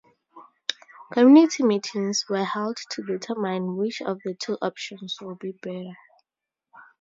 Community meetings were held to determine which of the two options would be better.